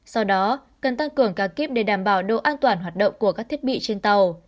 sau đó cần tăng cường ca kíp để đảm bảo độ an toàn hoạt động của các thiết bị trên tàu